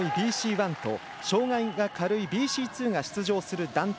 １と障がいが軽いＢＣ２が出場する団体。